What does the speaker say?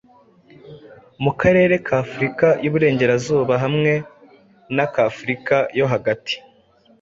mu karere k'Afurika y'uburengerazuba hamwe n'aka Afurika yo hagati.